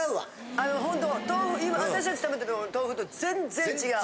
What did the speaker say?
あのホント私たち食べてた豆腐と全然違う。